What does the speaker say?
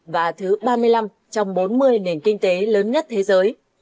và thứ ba mươi năm trong bốn mươi nền kinh tế lớn nhất thế giới